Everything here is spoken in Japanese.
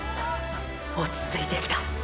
落ちついてきた。